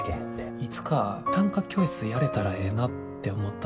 いつか短歌教室やれたらええなって思った。